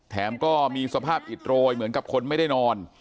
แถมก็มีสภาพอิดโรยเหมือนกับคนไม่ได้นอน